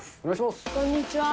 こんにちは。